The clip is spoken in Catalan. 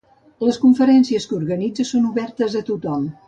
Les conferències que organitza són obertes a tothom.